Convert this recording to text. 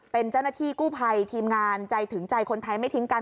เป็นเจ้าหน้าที่กู้ภัยทีมงานใจถึงใจคนไทยไม่ทิ้งกัน